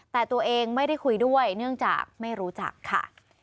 แต่ตัวเองไม่ได้คุยด้วยเนื่องจากไม่รู้จักค่ะ